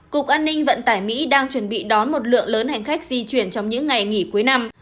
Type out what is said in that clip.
cục an ninh vận tải mỹ đang chuẩn bị đón một lượng lớn hành khách di chuyển trong những ngày nghỉ cuối năm